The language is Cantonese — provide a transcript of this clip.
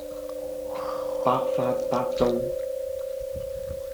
百發百中